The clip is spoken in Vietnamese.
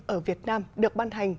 ở việt nam được ban hành